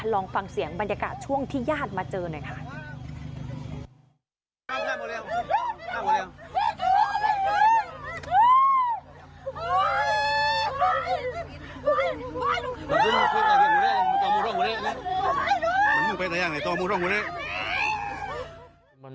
ลองฟังเสียงบรรยากาศช่วงที่ญาติมาเจอหน่อยค่ะ